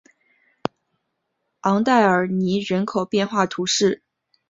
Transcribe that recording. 昂代尔尼人口变化图示